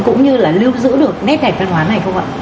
cũng như là lưu giữ được nét đẹp văn hóa này không ạ